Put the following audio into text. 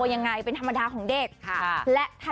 ยังไงเป็นธรรมดาของเด็ก